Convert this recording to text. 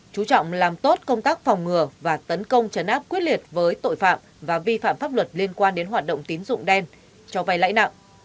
chú trọng làm tốt công tác phòng ngừa và tấn công chấn áp quyết liệt với tội phạm và vi phạm pháp luật liên quan đến hoạt động tín dụng đen cho vay lãi nặng